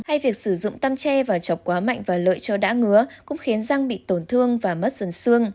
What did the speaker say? hay việc sử dụng tăm tre và chọc quá mạnh và lợi cho đã ngứa cũng khiến răng bị tổn thương và mất dần xương